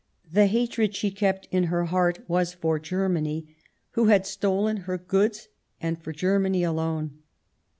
The hatred she kept in her heart was for Ger many, who had stolen her goods, and for Germany alone.